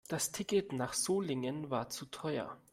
Das Ticket nach Solingen war zu teuer